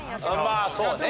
まあそうね。